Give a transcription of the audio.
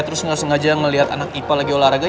terus nggak sengaja melihat anak ipa lagi olahraga